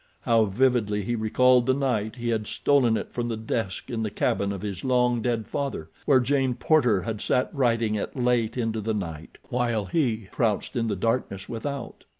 How vividly he recalled the night he had stolen it from the desk in the cabin of his long dead father, where Jane Porter had sat writing it late into the night, while he crouched in the darkness without.